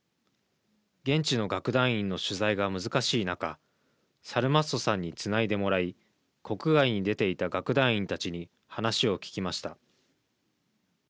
現地の楽団員の取材が難しい中サルマストさんにつないでもらい国外に出ていた楽団員たちに話を聞きました。